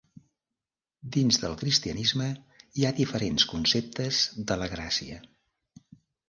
Dins del cristianisme hi ha diferents conceptes de la gràcia.